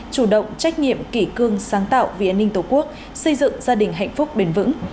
chủ động trách nhiệm kỷ cương sáng tạo vì an ninh tổ quốc xây dựng gia đình hạnh phúc bền vững